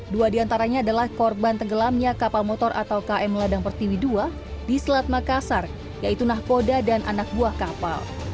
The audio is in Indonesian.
dua diantaranya adalah korban tenggelamnya kapal motor atau km ladang pertiwi ii di selat makassar yaitu nahkoda dan anak buah kapal